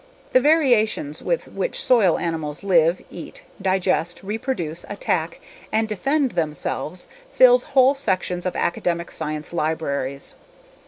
The variations with which soil animals live, eat, digest, reproduce, attack, and defend themselves fills whole sections of academic science libraries.